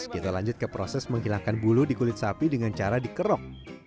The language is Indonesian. kita lanjut ke proses menghilangkan bulu di kulit sapi dengan cara dikerok